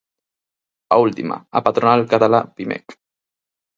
A última, a patronal catalá Pimec.